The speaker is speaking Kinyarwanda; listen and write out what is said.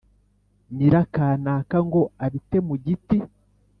Nyirakanaka ngo abite mu giti